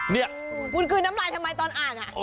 นี่บุญคืนน้ำลายทำไมตอนอาจอ่ะ